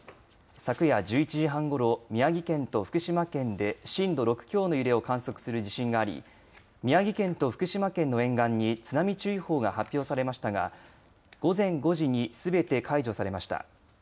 昨夜１１時半ごろ、宮城県と福島県で震度６強の揺れを観測する地震があり宮城県と福島県の沿岸に津波注意報が発表されましたが午前５時にすべて解除されました。